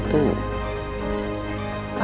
hubungan ibu dengan dennis itu